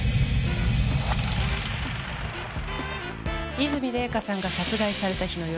和泉礼香さんが殺害された日の夜。